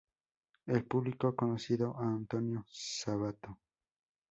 El público conoció a Antonio Sabato Jr.